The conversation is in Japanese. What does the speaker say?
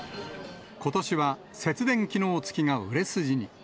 ことしは、節電機能付きが売れ筋に。